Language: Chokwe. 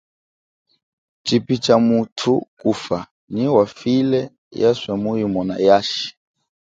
Tshipi tsha muthu kufa nyi wafile yeswe muimona yashi.